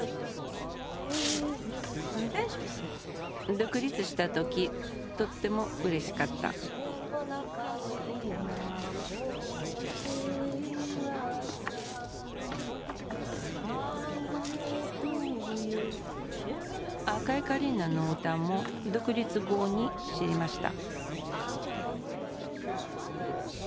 独立した時とってもうれしかった「赤いカリーナ」の歌も独立後に知りました